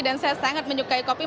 dan saya sangat menyukai kopi